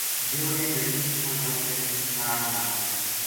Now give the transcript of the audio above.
دیو نے گٹی پچھاں کر کے چھاڑ ماری